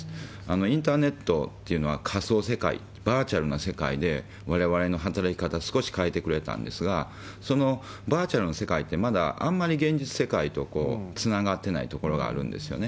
インターネットというのは仮想世界、バーチャルな世界で、われわれの働き方、少し変えてくれたんですが、そのバーチャルの世界って、まだあんまり現実世界とつながってないところがあるんですよね。